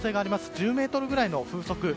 １０メートルぐらいの風速を